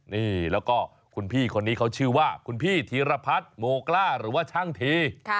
นี่แล้วก็คุณพี่คนนี้เขาชื่อว่าคุณพี่ธีรพัฒน์โมกล้าหรือว่าช่างที